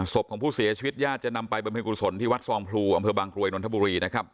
ศพของผู้เสียชีวิตญาติจะนำไปบำเพ็ญกุศลที่วัดซองพลูอำเภอบางกรวยนนทบุรีนะครับ